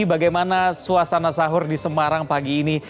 bagaimana suasana sahur di semarang pagi ini